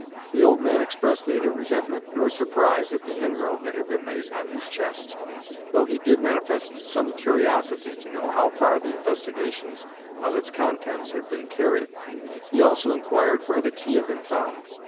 The old man expressed neither resentment nor surprise at the inroad that had been made on his chest, though he did manifest some curiosity to know how far the investigation of its contents had been carried. He also inquired where the key had been found.